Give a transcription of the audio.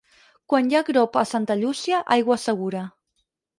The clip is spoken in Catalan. Quan hi ha grop a Santa Llúcia, aigua segura.